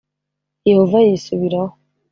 Yehova yisubiraho